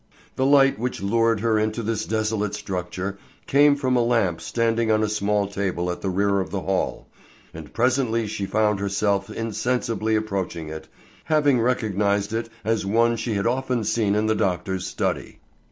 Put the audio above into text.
The light which lured her into this desolate structure came from a lamp standing on a small table at the rear of the hall, and presently she found herself insensibly approaching it, having recognized it as one she had often seen in the doctor's study.